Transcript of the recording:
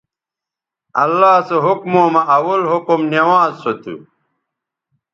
اللہ سو حکموں مہ اول حکم نوانز سو تھو